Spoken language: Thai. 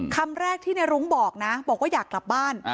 คำแรกที่ในรุ้งบอกนะบอกว่าอยากกลับบ้าน